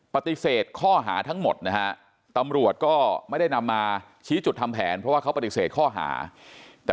ปฏิเสธข้อหาทั้งหมดนะฮะตำรวจก็ไม่ได้นำมาชี้จุดทำแผนเพราะว่าเขาปฏิเสธข้อหาแต่